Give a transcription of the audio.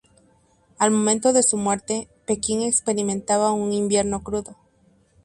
Al momento de su muerte, Pekín experimentaba un invierno crudo.